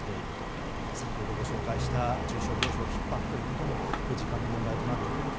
先ほどご紹介した重症病床ひっ迫ということも時間の問題となってくると。